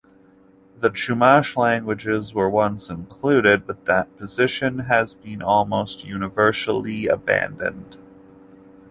The Chumash languages were once included, but that position has been almost universally abandoned.